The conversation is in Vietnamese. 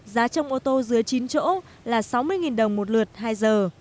giá trong ô tô dưới chín chỗ là sáu mươi đồng một lượt hai giờ